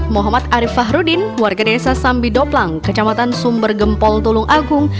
muhammad arief fahruddin warga desa sambi doplang kecamatan sumber gempol tulung agung